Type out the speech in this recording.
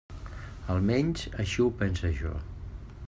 Almenys així ho pense jo.